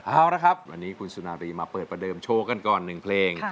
เอาละครับวันนี้คุณสุนารีมาเปิดประเดิมโชว์กันก่อน๑เพลง